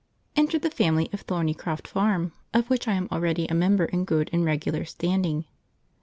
Enter the family of Thornycroft Farm, of which I am already a member in good and regular standing.